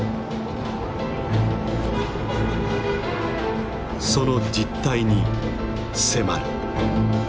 その実態に迫る。